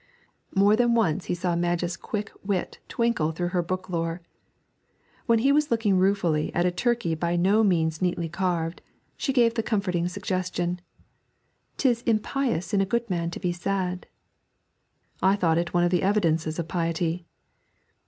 "' More than once he saw Madge's quick wit twinkle through her booklore. When he was looking ruefully at a turkey by no means neatly carved, she gave the comforting suggestion, '"'Tis impious in a good man to be sad."' 'I thought it one of the evidences of piety.'